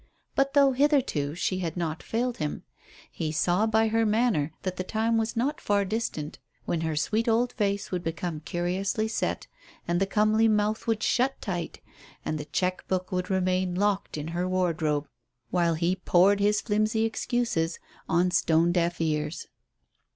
But though, hitherto, she had not failed him, he saw by her manner that the time was not far distant when her sweet old face would become curiously set, and the comely mouth would shut tight, and the cheque book would remain locked in her wardrobe, while he poured his flimsy excuses on stone deaf ears.